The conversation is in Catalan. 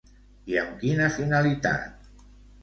I amb quina finalitat?